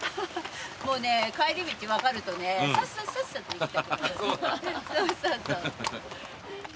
もうね帰り道分かるとねさっささっさと行きたくなる。